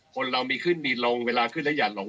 คนเรามีขึ้นมีลงเวลาขึ้นแล้วอย่าหลง